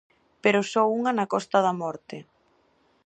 Pero só unha na Costa da Morte.